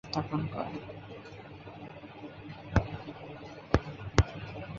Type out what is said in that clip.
তবে ন্যাপের সভাপতি অধ্যাপক মোজাফফর আহমদ স্বাধীনতা পুরস্কার প্রত্যাখ্যান করেন।